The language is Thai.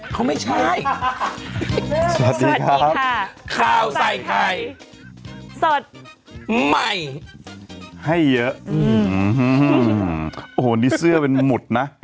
เขาไม่ใช่สวัสดีครับข้าวใส่ไข่สดใหม่ให้เยอะโอ้โหนี่เสื้อเป็นหมุดนะ